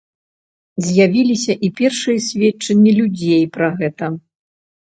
З'явіліся і першыя сведчанні людзей пра гэта.